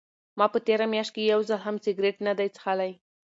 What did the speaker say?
ما په تېره میاشت کې یو ځل هم سګرټ نه دی څښلی.